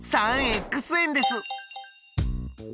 ３円です。